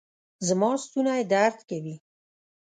زما ستونی درد کوي